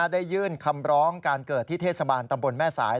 ได้ยื่นคำร้องการเกิดที่เทศบาลตำบลแม่สาย